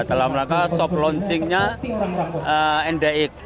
dalam rangka soft launchingnya ndic